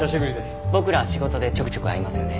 僕らは仕事でちょくちょく会いますよね。